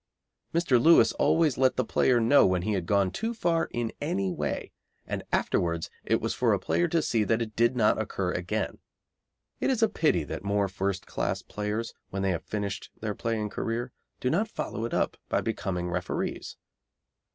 Mr. Lewis always let the player know when he had gone too far in any way, and afterwards it was for a player to see that it did not occur again. It is a pity that more first class players, when they have finished their playing career, do not follow it up by becoming referees.